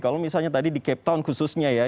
kalau misalnya tadi di cape town khususnya ya